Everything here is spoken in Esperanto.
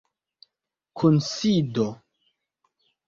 kunsido